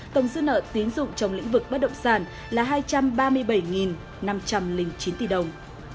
tổng dư nợ tiến dụng trong lĩnh vực bất động sản là hai trăm ba mươi bảy năm trăm linh chín tỷ đồng